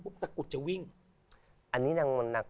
ปุ๊บใตรปุ๊บถูกจัดการพลังสร้างอาวุธ